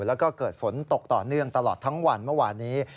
แล้วก็เกิดฝนตกต่อเนื่องตลอดทั้งวันเมื่อวานนี้